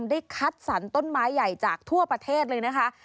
ได้คัดสรรต้นไม้ใหญ่จากทั่วประเทศเลยนะคะ